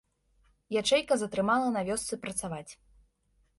Ячэйка затрымала на вёсцы працаваць.